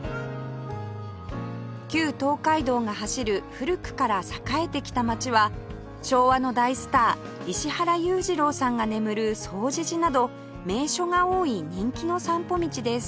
旧東海道が走る古くから栄えてきた街は昭和の大スター石原裕次郎さんが眠る總持寺など名所が多い人気の散歩道です